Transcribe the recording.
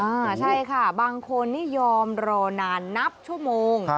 ใช่ค่ะบางคนนี่ยอมรอนานนับชั่วโมง